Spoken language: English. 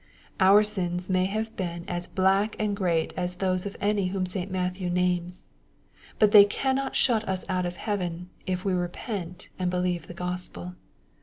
Our sins may have been a£i black and great as those of any whom St. Matthew names. But they can not shut us out of heaven, if we repent and believe the gospel.